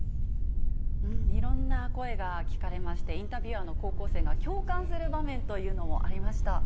いろんな声が聞かれまして、インタビュアーの高校生が共感する場面というのもありました。